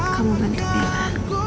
kamu gantung kita